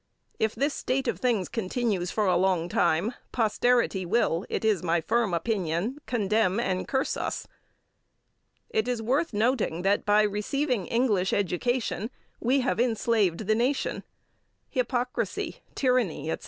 If this state of things continues for a long time, posterity will it is my firm opinion condemn and curse us. It is worth noting that, by receiving English education, we have enslaved the nation. Hypocrisy, tyranny, etc.